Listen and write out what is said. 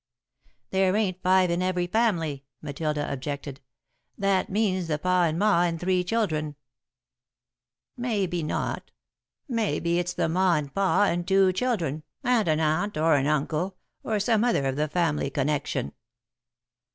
"There ain't five in every family," Matilda objected. "That means the Pa and Ma and three children." [Sidenote: Well Groomed] "Maybe not. Maybe it's the Ma and Pa and two children and an Aunt or an Uncle or some other of the family connection."